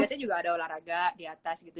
biasanya juga ada olahraga di atas gitu